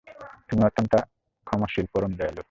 তুমি অত্যন্ত ক্ষমাশীল, পরম দয়ালু।